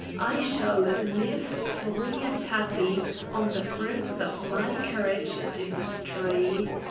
* I shall live free and happy on the fruits of my * courage and industry.